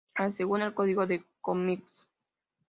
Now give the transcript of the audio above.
A según el código de cómics.